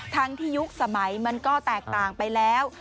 ทั้งที่ยุคสมัยมันก็แตกต่างไปแล้ว